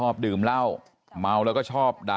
ไปรับศพของเนมมาตั้งบำเพ็ญกุศลที่วัดสิงคูยางอเภอโคกสำโรงนะครับ